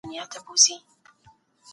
د اسعارو زېرمه اقتصاد پیاوړی کوي.